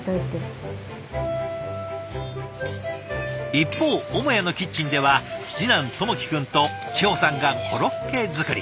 一方母屋のキッチンでは次男朋紀君と千穂さんがコロッケ作り。